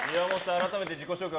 改めて自己紹介